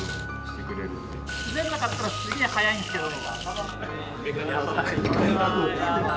滑んなかったらすげえ速いんですけど。